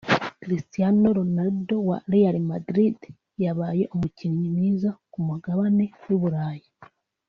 Cristiano Ronaldo wa Real Madrid yabaye umukinnyi mwiza ku mugabane w’i Burayi